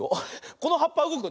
このはっぱうごくよ。